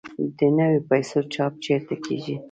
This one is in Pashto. د نویو پیسو چاپ چیرته کیږي؟